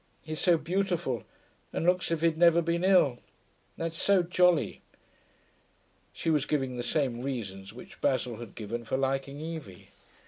He's so beautiful, and looks as if he'd never been ill. That's so jolly.' She was giving the same reasons which Basil had given for liking Evie.